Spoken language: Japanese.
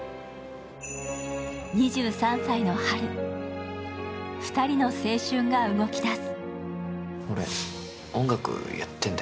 ２３歳の春、２人の青春が動き出す。